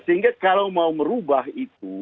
sehingga kalau mau merubah itu